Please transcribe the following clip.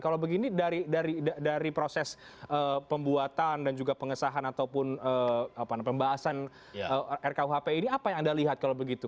kalau begini dari proses pembuatan dan juga pengesahan ataupun pembahasan rkuhp ini apa yang anda lihat kalau begitu